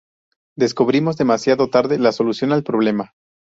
Descubrimos demasiado tarde la solución al problema